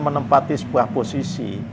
menempati sebuah posisi